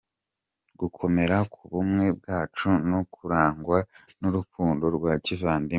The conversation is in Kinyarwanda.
-Gukomera ku bumwe bwacu no kurangwa n’urukundo rwa kivandimwe;